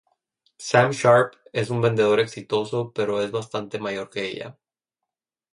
Sam Sharpe es un vendedor exitoso pero es bastante mayor que ella.